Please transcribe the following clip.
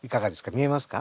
見えますか？